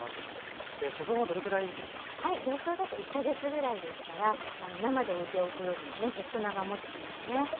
冷凍だと１か月ぐらいですから生でおいておくよりもねずっと長もちしますね。